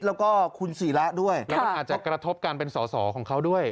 แล้วก็คุณศิระด้วยแล้วมันอาจจะกระทบการเป็นสอสอของเขาด้วย